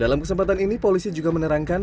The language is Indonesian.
dalam kesempatan ini polisi juga menerangkan